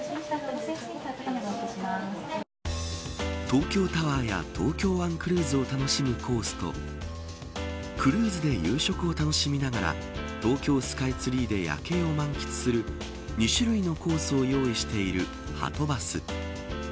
東京タワーや東京湾クルーズを楽しむコースとクルーズで夕食を楽しみながら東京スカイツリーで夜景を満喫する２種類のコースを用意しているはとバス。